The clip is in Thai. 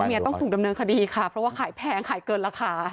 เมียต้องถูกดำเนินคดีค่ะเพราะว่าขายแพงขายเกินราคา